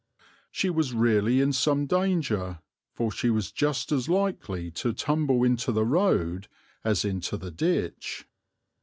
She was really in some danger, for she was just as likely to tumble into the road as into the ditch.